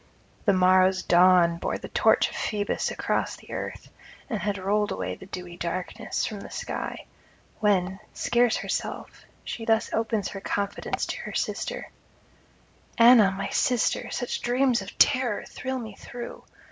The morrow's dawn bore the torch of Phoebus across the earth, and had rolled away the dewy darkness from the sky, when, scarce herself, she thus opens her confidence to her sister: 'Anna, my sister, such dreams of terror thrill me through!